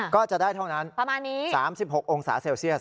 ก็จะได้เท่านั้น๓๖องศาเซลเซียส